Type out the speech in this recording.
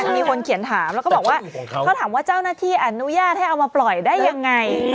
มีคนเขียนคำถามว่าเจ้าหน้าที่อนุญาตให้เอามาปล่อยได้ยังไง